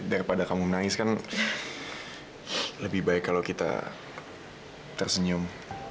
daripada kamu menangis kan lebih baik kalau kita tersenyum